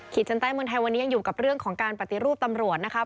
ชั้นใต้เมืองไทยวันนี้ยังอยู่กับเรื่องของการปฏิรูปตำรวจนะครับ